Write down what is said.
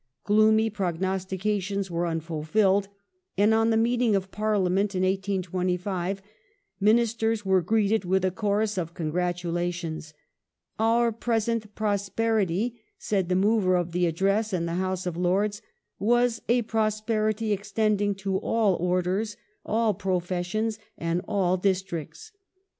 Gloomy prognosti cations were unfulfilled, and on the meeting of Parliament in 1825 Ministers were greeted with a chorus of congratulations. " Our present prosperity," said the mover of the Address in the House of Lords, " was a prosperity extending to all orders, all professions, and all districts."